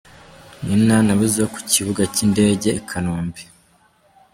Nina na weasal ku kibuga cy'indege i Kanombe.